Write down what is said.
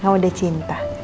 kamu udah cinta